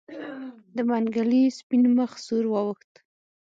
د منګلي سپين مخ سور واوښت.